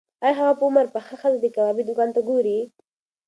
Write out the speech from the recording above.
ایا هغه په عمر پخه ښځه د کبابي دوکان ته ګوري؟